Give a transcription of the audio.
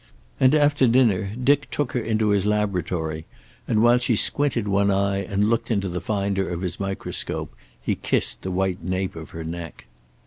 And after dinner Dick took her into his laboratory, and while she squinted one eye and looked into the finder of his microscope he kissed the white nape of her neck.